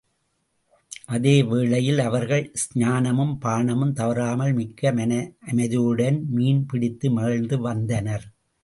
அந்த வேளையில் அவர்கள் ஸ்நானமும் பானமும் தவறாமல் மிக்க மனஅமைதியுடன் மீன் பிடித்து மகிழ்ந்து வந்தனர்!